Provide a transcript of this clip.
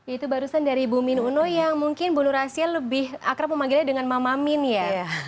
itu barusan dari bu min uno yang mungkin bu nur asia lebih akrab memanggilnya dengan mama min ya